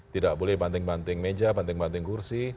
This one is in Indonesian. tidak boleh banting banting meja banting banting kursi